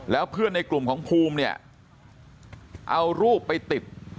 แล้วเพื่อนในกลุ่มของภูมิเนี่ยเอารูปไปติด